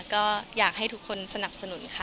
ก็อยากให้ทุกคนสนับสนุนค่ะ